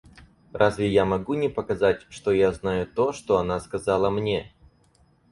Разве я могу не показать, что я знаю то, что она сказала мне?